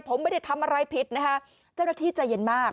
ผมไม่ได้ทำอะไรผิดนะคะเจ้าหน้าที่ใจเย็นมาก